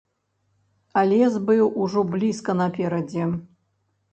А лес быў ужо блізка наперадзе.